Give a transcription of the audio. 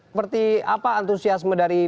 seperti apa antusiasme dari